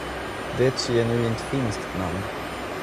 Det är ett så genuint finskt namn.